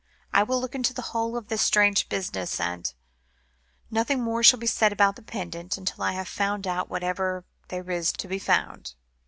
I will look into the whole of this strange business, and nothing more shall be said about the pendant, until I have found out whatever there is to be found."